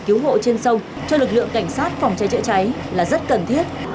cứu hộ trên sông cho lực lượng cảnh sát phòng cháy chữa cháy là rất cần thiết